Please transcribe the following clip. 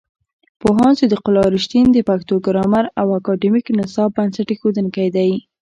پوهاند صدیق الله رښتین د پښتو ګرامر د اکاډمیک نصاب بنسټ ایښودونکی دی.